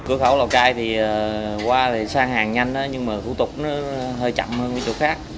cửa khẩu lào cai thì qua thì sang hàng nhanh nhưng mà thủ tục nó hơi chậm hơn cái chỗ khác